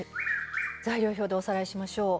材料表でおさらいしましょう。